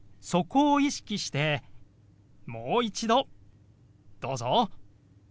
そこを意識してもう一度どうぞ。